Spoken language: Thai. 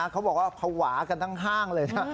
เขาบอกว่าภาวะกันทั้งห้างเลยนะ